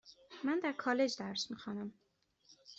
من در کالج درس میخوانم.